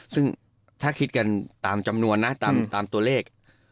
ซึ่งถ้าคิดกันตามจำนวนนะตามตัวเลข